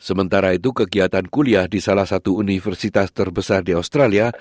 sementara itu kegiatan kuliah di salah satu universitas terbesar di australia